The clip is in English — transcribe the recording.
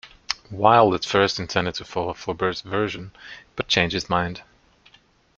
Wilde at first intended to follow Flaubert's version, but changed his mind.